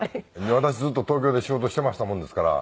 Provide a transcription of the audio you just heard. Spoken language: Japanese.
私ずっと東京で仕事していましたもんですから。